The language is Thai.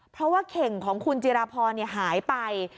เพราะว่าเข่งของคุณจิราพรหายไป